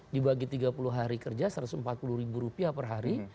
dibagi tiga puluh hari kerja rp satu ratus empat puluh per hari